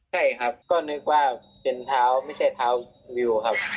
ใช่ครับก็นึกว่าเป็นเท้าไม่ใช่เท้าวิวครับ